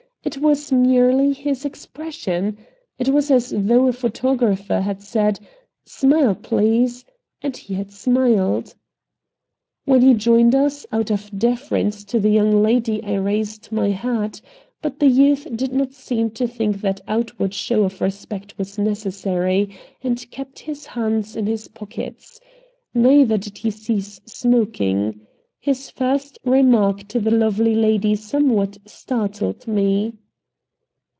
It was merely his expression. It was as though a photographer had said: "Smile, please," and he had smiled. When he joined us, out of deference to the young lady I raised my hat, but the youth did not seem to think that outward show of respect was necessary, and kept his hands in his pockets. Neither did he cease smoking. His first remark to the lovely lady somewhat startled me.